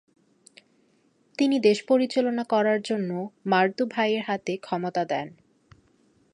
তিনি দেশ পরিচালনা করার জন্য মারুদু ভাইদের হাতে ক্ষমতা দেন।